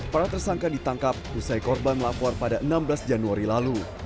para tersangka ditangkap usai korban melapor pada enam belas januari lalu